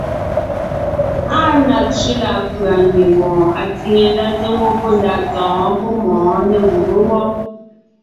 Áa na tsẅé láʼ pʉ̀a ngiembɔɔn atsìŋe ndá té gwɔ́ pɔ́ ndaʼ tɔ̌ɔn pɔ́ mɔ̌ɔn nê gùbé wɔ́.